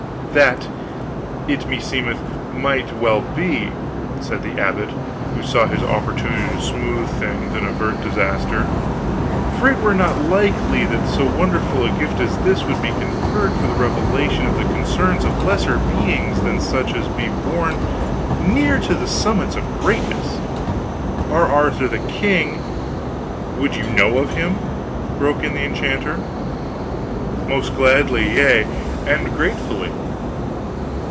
"That, it meseemeth, might well be," said the abbot, who saw his opportunity to smooth things and avert disaster, "for it were not likely that so wonderful a gift as this would be conferred for the revelation of the concerns of lesser beings than such as be born near to the summits of greatness. Our Arthur the king " "Would you know of him?" broke in the enchanter. "Most gladly, yea, and gratefully."